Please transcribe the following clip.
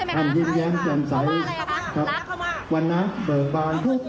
ท่านครับเมื่อกี้เห็นพี่หอมแก้มลุงป้อมได้ใช่ไหมคะ